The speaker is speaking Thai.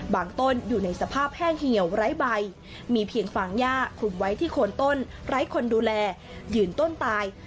ต้นอยู่ในสภาพแห้งเหี่ยวไร้ใบมีเพียงฟางย่าคลุมไว้ที่โคนต้นไร้คนดูแลยืนต้นตาย